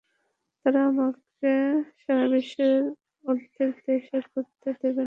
তারা আমাকে সারা বিশ্বের অর্ধেক দেশে ঘুরতে দিবেনা।